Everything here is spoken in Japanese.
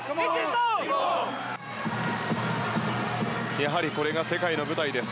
やはりこれが世界の舞台です。